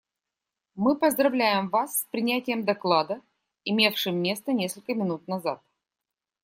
Мы поздравляем Вас с принятием доклада, имевшим место несколько минут назад.